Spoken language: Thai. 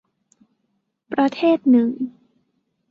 ประเทศหนึ่ง